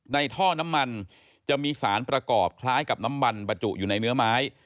ท่อน้ำมันจะมีสารประกอบคล้ายกับน้ำมันบรรจุอยู่ในเนื้อไม้